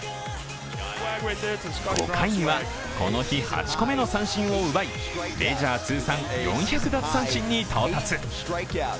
５回には、この日、８個目の三振を奪いメジャー通算４００奪三振に到達。